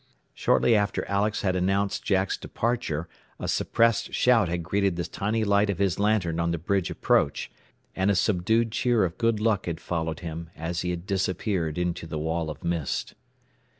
Shortly after Alex had announced Jack's departure a suppressed shout had greeted the tiny light of his lantern on the bridge approach, and a subdued cheer of good luck had followed him as he had disappeared into the wall of mist.